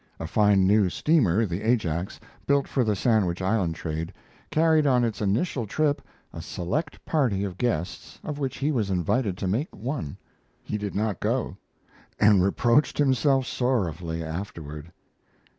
A fine new steamer, the Ajax, built for the Sandwich Island trade, carried on its initial trip a select party of guests of which he was invited to make one. He did not go, and reproached himself sorrowfully afterward.